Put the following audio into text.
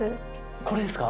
これですか？